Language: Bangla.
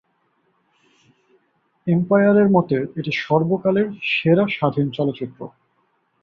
এম্পায়ার এর মতে এটি "সর্বকালের সেরা স্বাধীন চলচ্চিত্র"।